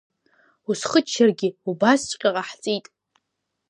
Усхыччаргьы, убасҵәҟьа ҟаҳҵеит.